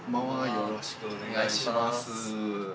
よろしくお願いします。